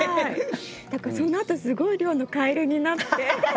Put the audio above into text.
そのあとすごい量のカエルになって。